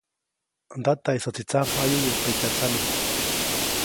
Ndataʼisäjtsi tsamjayu yäʼ pekatsame,.